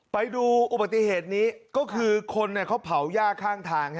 ไปดูอุบัติเหตุนี้ก็คือคนเขาเผาย่าข้างทาง